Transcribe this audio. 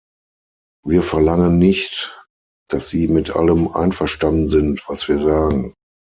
Wir verlangen nicht, dass Sie mit allem einverstanden sind, was wir sagen.